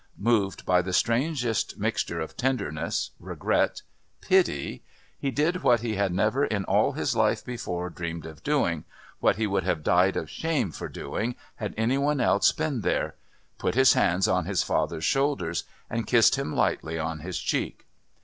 Moved by the strangest mixture of tenderness, regret, pity, he did what he had never in all his life before dreamed of doing, what he would have died of shame for doing, had any one else been there put his hands on his father's shoulders and kissed him lightly on his cheek.